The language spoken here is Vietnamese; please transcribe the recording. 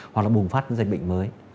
hoặc là bùng phát dịch bệnh mới